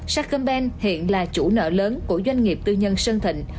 sacombank hiện là chủ nợ lớn của doanh nghiệp tư nhân sơn thịnh